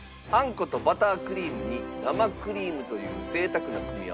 バタークリームに生クリームという贅沢な組み合わせ